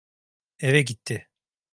Eve gitti.